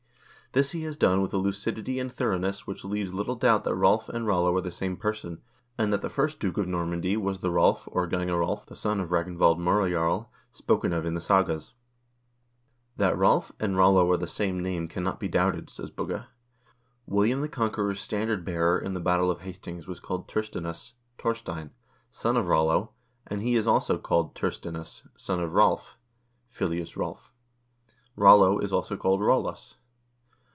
This he has done with a lucidity and thoroughness which leaves little doubt that Rolv and Rollo are the same person, and that the first duke of Normandy was the Rolv, or Gange Rolv, the son of Ragnvald M0rejarl, spoken of in the sagas. That Rolv and Rollo are the same name cannot be doubted, says Bugge. William the Conqueror's standard bearer in the battle of Hastings was called Turstinus (Torstein), son of Rollo, and he is also called Turstinus, son of Rolv (filius Rolv). Rollo is also called Rolus.